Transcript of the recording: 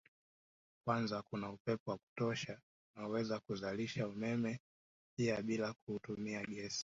kwanza kuna upepo wa kutosha unaoweza kuzalisha umeme pia bila kutumia gesi